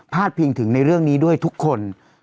พลาดพิมพ์ถึงในเรื่องนี้ด้วยทุกคน